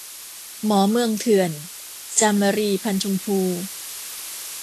หมอเมืองเถื่อน - จามรี พรรณชมพู